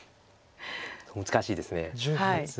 難しいです。